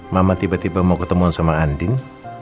mama tiba tiba mau ketemuan sama andin